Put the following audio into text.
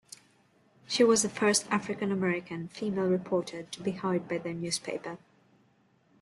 She was the first African-American female reporter to be hired by the newspaper.